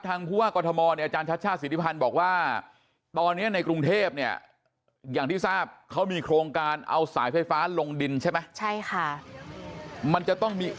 ทางภูวะกรณหมจานชาชภาคศิริพรรณบอกว่า